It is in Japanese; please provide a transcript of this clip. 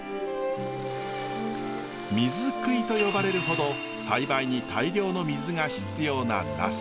水食いと呼ばれるほど栽培に大量の水が必要なナス。